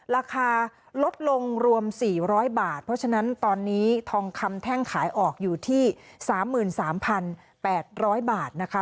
ราคาลดลงรวม๔๐๐บาทเพราะฉะนั้นตอนนี้ทองคำแท่งขายออกอยู่ที่๓๓๘๐๐บาทนะคะ